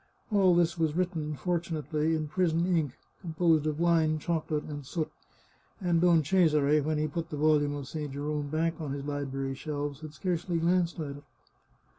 All this was written, fortunately, in prison ink, composed of wine, chocolate, and soot, and Don Cesare, when he put the volume of St. Jerome back on his library shelves, had scarcely glanced at it.